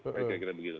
saya kira kira begitu